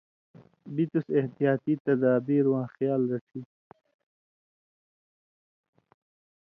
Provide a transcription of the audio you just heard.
بِتُس احتیاطی تدابیر واں خیال رڇِھگ